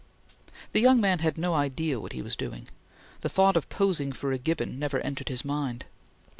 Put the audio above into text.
The young man had no idea what he was doing. The thought of posing for a Gibbon never entered his mind.